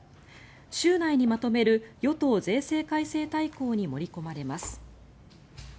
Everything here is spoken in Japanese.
週内にまとめる与党税制改正大綱に盛り込まれます。